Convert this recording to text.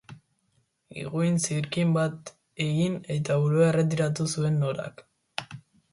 Higuin-zirkin bat egin, eta burua erretiratu zuen Norak.